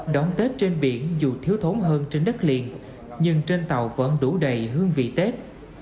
đón tết trên biển dù thiếu thốn hơn trên đất liền nhưng trên tàu vẫn đủ đầy hương vị tết